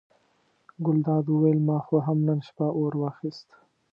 ګلداد وویل ما خو هم نن شپه اور واخیست.